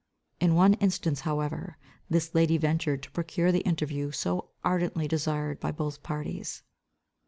In one instance however, this lady ventured to procure the interview so ardently desired by both parties.